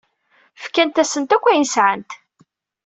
Fkant-asent akk ayen sɛant.